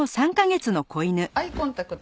アイコンタクト。